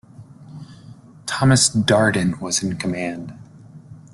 Thomas Darden was in command.